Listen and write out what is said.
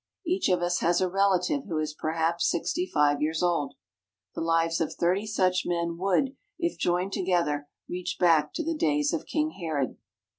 Each of us has a relative who is, perhaps, sixty five years old. The lives of thirty such men would, if joined together, reach back to the days of King Herod.